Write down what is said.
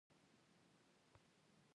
نه په خپله د حقيقت د پېژندو جوگه وي،